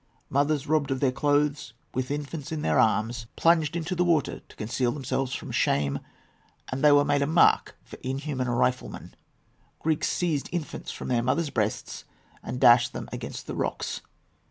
Mothers robbed of their clothes, with infants in their arms, plunged into the water to conceal themselves from shame, and they were then made a mark for inhuman riflemen. Greeks seized infants from their mothers' breasts and dashed them against the rocks.